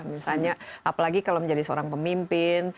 misalnya apalagi kalau menjadi seorang pemimpin